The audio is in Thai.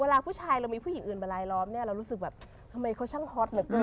เวลาผู้ชายเรามีผู้หญิงอื่นมาลายล้อมเนี่ยเรารู้สึกแบบทำไมเขาช่างฮอตเหลือเกิน